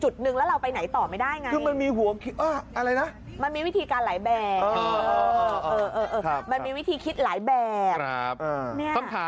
ดังเวลาที่น้ำแข็งไปภูเกตอะ